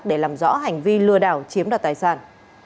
để làm rõ hành vi lừa đảo chiếm đoạt tài sản